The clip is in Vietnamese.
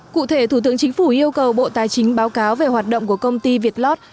cụ thể thủ tướng chính phủ yêu cầu bộ tài chính báo cáo về hoạt động của công ty việt lót